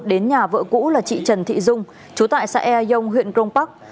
đến nhà vợ cũ là chị trần thị dung chú tại xã e yông huyện grong park